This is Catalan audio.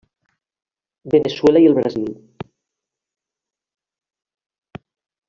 Veneçuela i el Brasil.